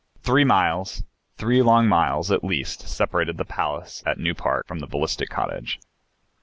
Three miles, three long miles at least separated the Palace at New Park from the "Ballistic Cottage."